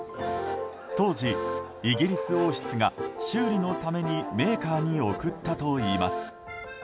当時、イギリス王室が修理のためにメーカーに送ったといいます。